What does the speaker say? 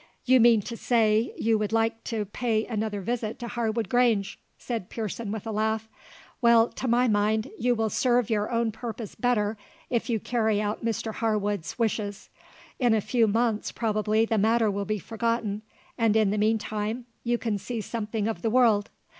"You mean to say, you would like to pay another visit to Harwood Grange," said Pearson, with a laugh. "Well, to my mind, you will serve your own purpose better if you carry out Mr Harwood's wishes. In a few months probably the matter will be forgotten, and in the mean time you can see something of the world.